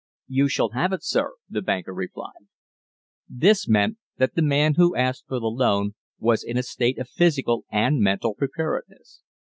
"You shall have it, Sir," the banker replied. This meant that the man who asked for the loan was in a state of physical and mental preparedness.